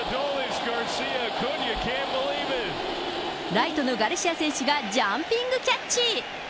ライトのガルシア選手がジャンピングキャッチ。